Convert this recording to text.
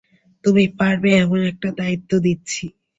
তুমি পারবে এমন একটা দায়িত্ব দিচ্ছি।